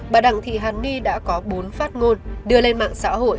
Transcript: bà đặng thị hàn ni đã có bốn phát ngôn đưa lên mạng xã hội